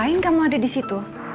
ngapain kamu ada disitu